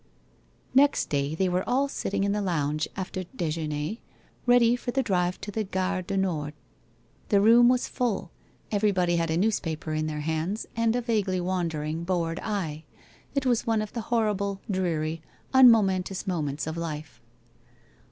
Next day they were all sitting in the lounge after WHITE ROSE OF WEARY LEAF 19 dejeuner, ready for the drive to the Gare du JSTord. The room was full. Everybody had a newspaper in their hands and a vaguely wandering bored eye. It was one of the horrible, dreary, unmomentous moments of life.